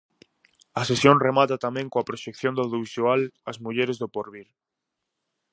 A sesión remata tamén coa proxección do audiovisual As mulleres do porvir.